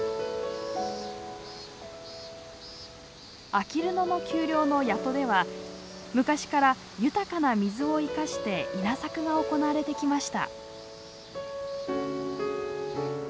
あきる野の丘陵の谷戸では昔から豊かな水を生かして稲作が行われてきました。